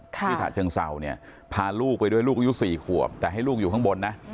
ฉะเชิงเศร้าเนี่ยพาลูกไปด้วยลูกอายุ๔ขวบแต่ให้ลูกอยู่ข้างบนนะ